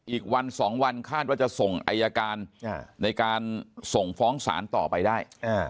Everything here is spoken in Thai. อีกวัน๒วันคาดว่าจะส่งอายการในการส่งฟ้องศาลต่อไปได้